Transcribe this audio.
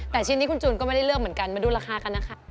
แต่ชิ้นนี้คุณจูนก็ไม่ได้เลือกเหมือนกันมาดูราคากันนะคะ